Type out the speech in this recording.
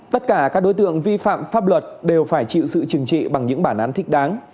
tất cả các đối tượng vi phạm pháp luật đều phải chịu sự trừng trị bằng những bản án thích đáng